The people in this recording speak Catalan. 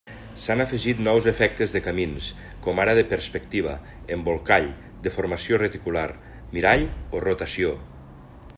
S'han afegit nous efectes de camins, com ara de perspectiva, embolcall, deformació reticular, mirall o rotació.